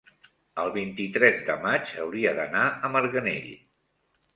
el vint-i-tres de maig hauria d'anar a Marganell.